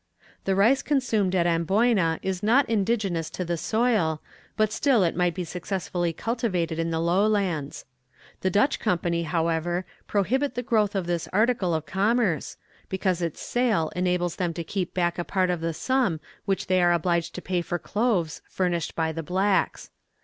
"The rice consumed at Amboyna is not indigenous to the soil, but still it might be successfully cultivated in the low lands. The Dutch Company, however, prohibit the growth of this article of commerce, because its sale enables them to keep back a part of the sum which they are obliged to pay for cloves furnished by the blacks.